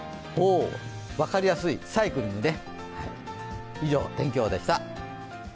分かりやすい、サイクリングね。